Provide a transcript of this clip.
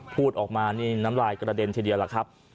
พูดออกมานี่น้ำลายกระเด็นทีเดียวล่ะครับ